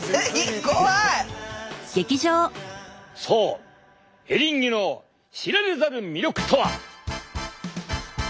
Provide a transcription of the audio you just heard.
そうエリンギの知られざる魅力とは。